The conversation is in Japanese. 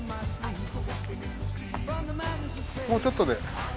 もうちょっとで。